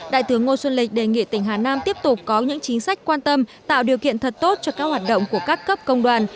đại tướng ngô xuân lịch đề nghị tỉnh hà nam tiếp tục có những chính sách quan tâm tạo điều kiện thật tốt cho các hoạt động của các cấp công đoàn